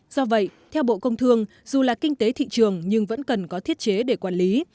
do vậy theo bộ công thương dù là kinh tế thị trường nhưng vẫn cần có thiết chế để quản lý